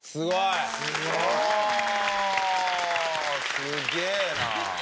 すげえな。